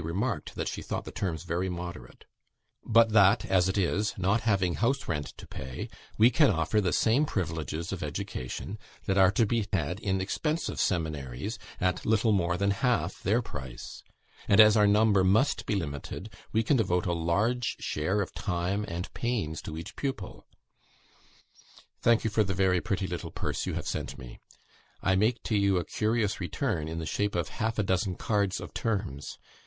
remarked that she thought the terms very moderate), but that, as it is, not having house rent to pay, we can offer the same privileges of education that are to be had in expensive seminaries, at little more than half their price; and as our number must be limited, we can devote a large share of time and pains to each pupil. Thank you for the very pretty little purse you have sent me. I make to you a curious return in the shape of half a dozen cards of terms.